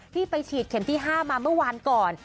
ไปฉีดเข็มที่๕มาเมื่อวานก่อน